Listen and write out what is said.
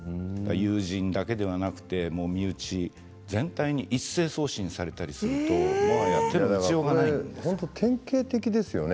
友人だけではなく身内全体に一斉送信されたりすると手の打ちようがないんですよね。